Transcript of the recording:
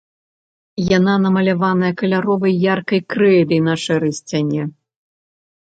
Яна намаляваная каляровай яркай крэйдай на шэрай сцяне.